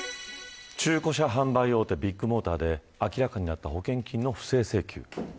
中古車販売大手ビッグモーターで明らかになった保険金の不正請求。